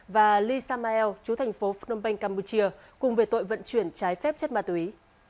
và lee samuel chú thành phố phnom penh campuchia cùng về tội vận chuyển trái phép chất ma túy